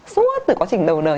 suốt từ quá trình đầu đời